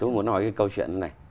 tôi muốn nói cái câu chuyện này